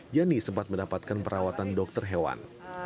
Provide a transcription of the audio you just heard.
jani sempat mendapatkan perawatan dokter hewan